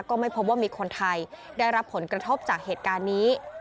ก็ไม่พบว่ามีคนไทยได้รับผลกระทบจากเหตุการณ์นี้